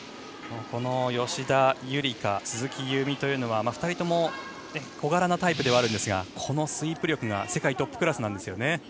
吉田夕梨花鈴木夕湖というのは２人とも小柄なタイプではあるんですがこのスイープ力が世界トップクラスなんですよね。